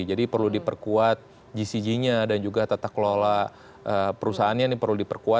jadi perlu diperkuat gcg nya dan juga tata kelola perusahaannya ini perlu diperkuat